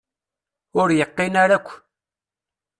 Ur yeqqin ara akk.